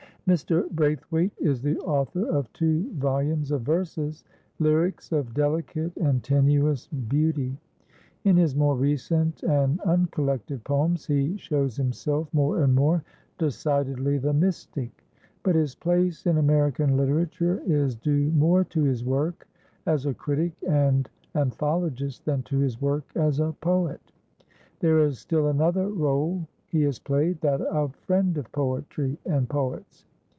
Mr. Braithwaite is the author of two volumes of verses, lyrics of delicate and tenuous beauty. In his more recent and uncollected poems he shows himself more and more decidedly the mystic. But his place in American literature is due more to his work as a critic and anthologist than to his work as a poet. There is still another role he has played, that of friend of poetry and poets.